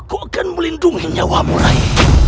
aku akan melindungi nyawamu rai